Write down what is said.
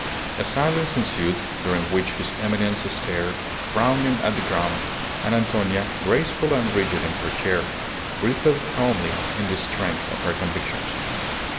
A silence ensued, during which his Eminence stared, frowning at the ground, and Antonia, graceful and rigid in her chair, breathed calmly in the strength of her convictions.